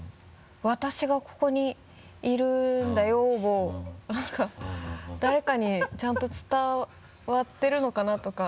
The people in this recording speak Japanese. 「私がここに居るんだよ」を何か誰かにちゃんと伝わってるのかな？とか。